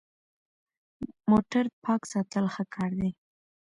موټر پاک ساتل ښه کار دی.